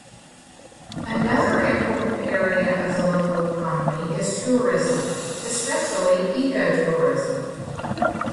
Another important area of the local economy is tourism, especially eco-tourism.